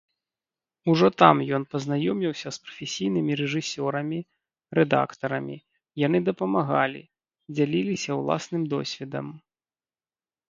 Ужо там ён пазнаёміўся з прафесійнымі рэжысёрамі, рэдактарамі, яны дапамагалі, дзяліліся ўласным досведам.